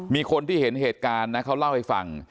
มีคนที่เห็นเหตุการณ์นะเขาเล่าให้ฟัง